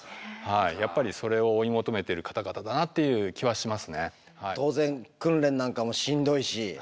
やっぱりそれを追い求めてる方々だなっていう気はしますね。